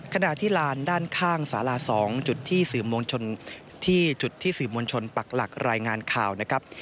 ขณะที่ลานด้านข้างศาลาสองจุดที่สื่อมวลชนปักหลักรายงานข่าวนะครับ